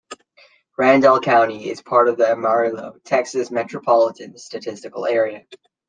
Randall County is part of the Amarillo, Texas, Metropolitan Statistical Area.